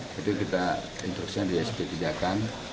jadi kita instruksinya di sp tidakkan